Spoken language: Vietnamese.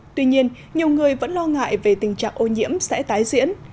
tuy nhiên nhiều người vẫn lo ngại về tình trạng ô nhiễm sẽ tái diễn